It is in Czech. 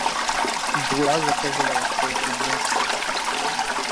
Bula zakazovala spolky měst.